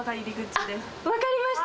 分かりました。